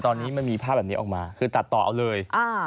ตอนนี้มันมีภาพแบบนี้ออกมาคือตัดต่อเอาเลย